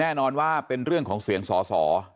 แน่นอนว่าเป็นเรื่องของเสียงสอสอ